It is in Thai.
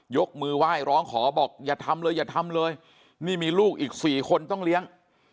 ยกมือไหว้ร้องขอบอกอย่าทำเลยอย่าทำเลยนี่มีลูกอีก๔คนต้องเลี้ยง